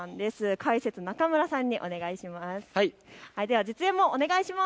解説、中村さんにお願いします。